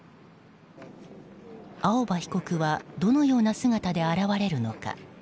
青葉被告はどのような姿で現れるのか。